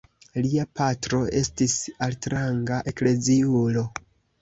Lia patro estis altranga ekleziulo.